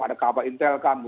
ada kabupaten intel kan